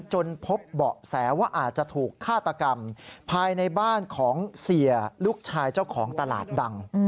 จนพบเบาะแสว่าอาจจะถูกฆาตกรรมภายในบ้านของเสียลูกชายเจ้าของตลาดดัง